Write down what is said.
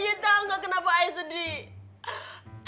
ayu tau gak kenapa ayu sedih